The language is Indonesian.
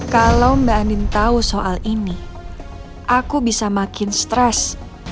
kalau mbak andin tahu soal ini aku bisa makin stres